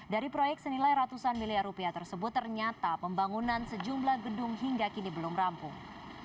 dari proyek senilai ratusan miliar rupiah tersebut ternyata pembangunan sejumlah gedung hingga kini belum rampung